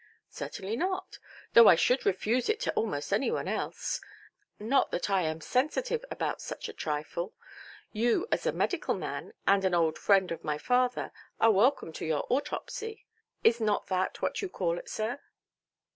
"Certainly not; though I should refuse it to almost any one else. Not that I am sensitive about such a trifle. You, as a medical man, and an old friend of my father, are welcome to your autopsy. Is not that what you call it, sir"?